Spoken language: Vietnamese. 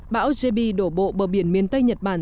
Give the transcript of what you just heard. bão jbi đổ bộ bờ biển miền tây nhật bản